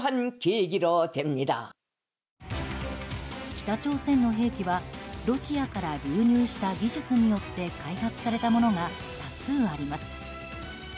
北朝鮮の兵器はロシアから流入した技術によって開発されたものが多数あります。